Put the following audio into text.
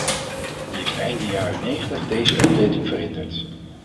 Die heeft einde jaren negentig deze updating verhinderd.